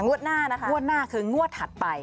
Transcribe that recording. งวดหน้าคืองวดถัดไป